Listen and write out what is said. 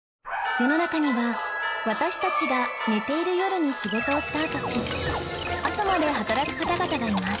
世の中には私たちが寝ている夜に仕事をスタートし朝まで働く方々がいます